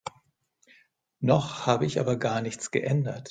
Noch habe ich aber gar nichts geändert.